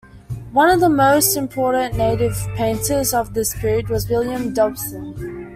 One of the most important native painters of this period was William Dobson.